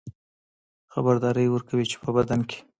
خبرداری ورکوي چې په بدن کې